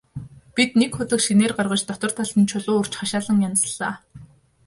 Бид нэг худаг шинээр гаргаж, дотор талд нь чулуу өрж хашаалан янзаллаа.